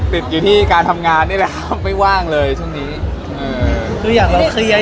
ติดอยู่ที่การทำงานนี่แหละครับไม่ว่างเลยช่วงนี้อืมคืออย่างเราเคลียร์